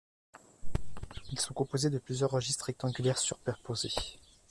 Ils sont composés de plusieurs registres rectangulaires superposés.